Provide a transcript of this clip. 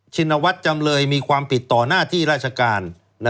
ชินวัฒน์จำเลยมีความผิดต่อหน้าที่ราชการ